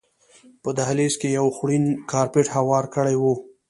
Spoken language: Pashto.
په دهلیز کې یې یو خوړین کارپېټ هوار کړی و.